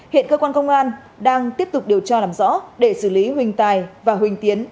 hiện cơ quan công an đang tiếp tục điều tra làm rõ để xử lý huỳnh tài và huỳnh tiến